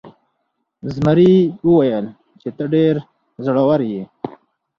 زمري وویل چې ته ډیر زړور یې.